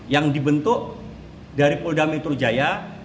yang dibentuk dari polda metro jaya